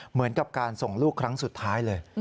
เหมือนกับการส่งลูกครั้งสุดท้ายเลย